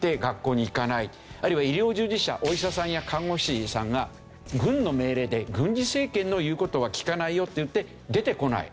あるいは医療従事者お医者さんや看護師さんが軍の命令で軍事政権の言う事は聞かないよっていって出てこない。